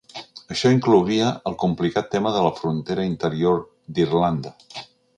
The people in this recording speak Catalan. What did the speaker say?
Això inclouria el complicat tema de la frontera interior d’Irlanda.